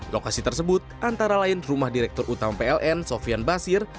lokasi tersebut antara lain rumah direktur utama pln sofian basir